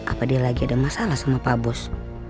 apa dia lagi ada masalah sama pak bos